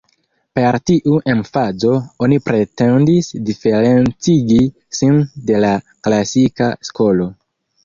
Per tiu emfazo oni pretendis diferencigi sin de la klasika skolo.